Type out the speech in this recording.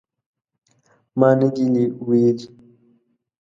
ما نه دي ویلي